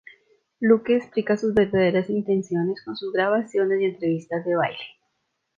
Luke explica sus verdaderas intenciones con sus grabaciones y entrevistas de baile.